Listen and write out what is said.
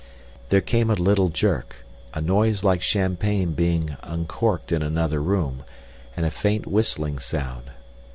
There came a little jerk, a noise like champagne being uncorked in another room, and a faint whistling sound.